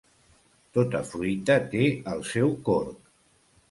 Tota fruita té el seu corc.